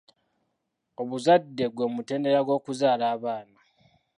Obuzadde gwe mutendera gw'okuzaala abaana.